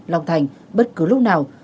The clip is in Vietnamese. long thành bất cứ lúc nào